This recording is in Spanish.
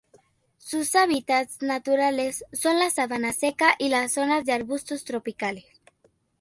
Sus hábitats naturales son la sabana seca y las zonas de arbustos tropicales.